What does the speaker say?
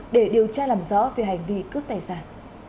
để điều tra làm rõ về hành vi cướp tài sản